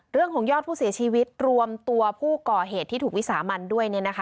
ยอดผู้เสียชีวิตรวมตัวผู้ก่อเหตุที่ถูกวิสามันด้วย